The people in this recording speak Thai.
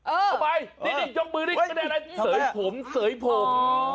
เออเอาไปยกมือดิเสริยผมเสริยผม